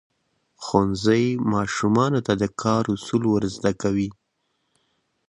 ښوونځی ماشومانو ته د کار اصول ورزده کوي.